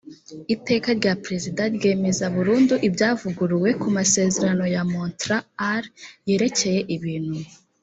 iteka rya perezida ryemeza burundu ibyavuguruwe ku masezerano ya montr al yerekeye ibintu